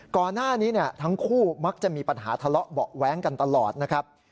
ก่อนหน้านี้ทั้งคู่มักจะมีปัญหาทะเลาะเบาะแว้งกันตลอดนะครับ